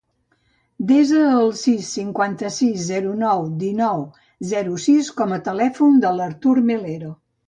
Desa el sis, cinquanta-sis, zero, nou, dinou, zero, sis com a telèfon de l'Artur Melero.